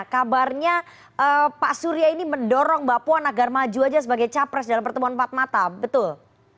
kabarnya pak surya ini mendorong mbak puan agar maju aja sebagai capres dalam pertemuan empat mata betul